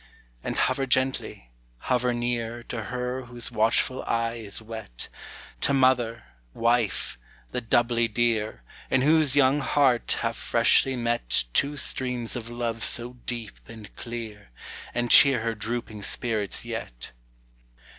And hover gently, hover near To her whose watchful eye is wet, To mother, wife, the doubly dear, In whose young heart have freshly met Two streams of love so deep and clear, And cheer her drooping spirits yet.